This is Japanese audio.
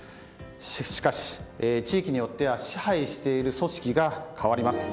しかし、地域によっては支配している組織が変わります。